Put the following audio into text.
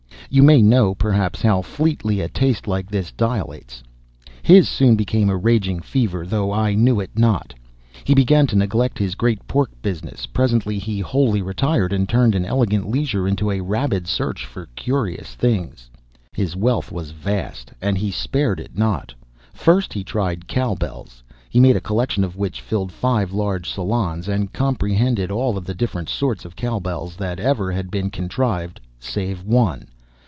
You may know, perhaps, how fleetly a taste like this dilates. His soon became a raging fever, though I knew it not. He began to neglect his great pork business; presently he wholly retired and turned an elegant leisure into a rabid search for curious things. His wealth was vast, and he spared it not. First he tried cow bells. He made a collection which filled five large salons, and comprehended all the different sorts of cow bells that ever had been contrived, save one.